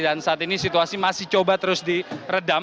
dan saat ini situasi masih coba terus diredam